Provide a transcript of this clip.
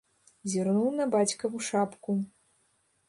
Зірнуў на бацькаву шапку.